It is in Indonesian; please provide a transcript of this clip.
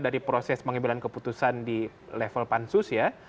dari proses pengambilan keputusan di level pansus ya